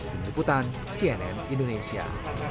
tim liputan cnn indonesia